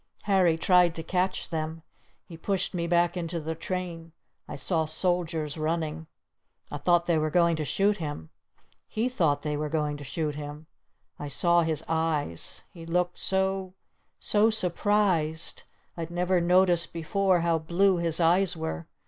Harry tried to catch them! He pushed me back into the train! I saw soldiers running! I thought they were going to shoot him! He thought they were going to shoot him! I saw his eyes! He looked so so surprised! I'd never noticed before how blue his eyes were!